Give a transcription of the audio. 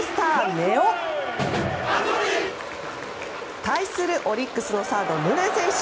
根尾！対するオリックスのサード、宗選手。